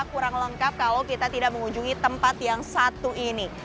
kurang lengkap kalau kita tidak mengunjungi tempat yang satu ini